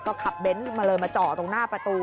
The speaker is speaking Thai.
ก็ขับเบนท์มาเลยมาจอดตรงหน้าประตู